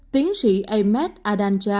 tiến sĩ ahmed